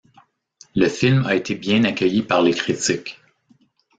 Le film a été bien accueilli par les critiques.